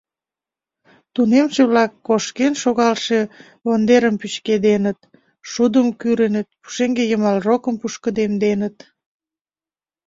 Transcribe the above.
Тунемше-влак кошкен шогалше вондерым пӱчкеденыт, шудым кӱрыныт, пушеҥге йымал рокым пушкыдемденыт.